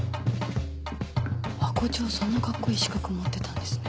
ハコ長そんなカッコいい資格持ってたんですね。